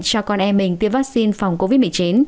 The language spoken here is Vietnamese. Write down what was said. cho con em mình tiêm vaccine phòng covid một mươi chín